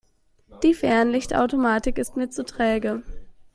Die Fernlichtautomatik ist mir zu träge.